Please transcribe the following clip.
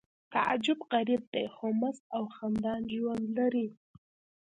تعجب غریب دی خو مست او خندان ژوند لري